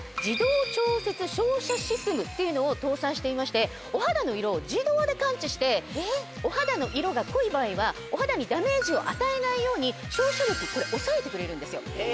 こちら。っていうのを搭載していましてお肌の色を自動で感知してお肌の色が濃い場合はお肌にダメージを与えないように照射力抑えてくれるんですよ。